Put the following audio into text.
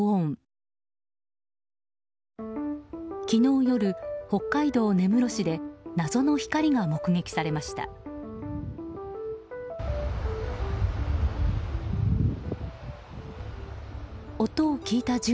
昨日夜、北海道根室市で謎の光が目撃されました。